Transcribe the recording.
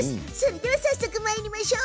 早速まいりましょう。